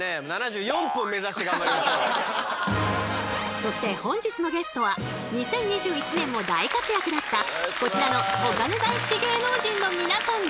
そして本日のゲストは２０２１年も大活躍だったこちらのお金大好き芸能人の皆さん！